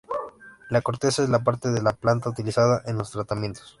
La corteza es la parte de la planta utilizada en los tratamientos.